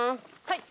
はい。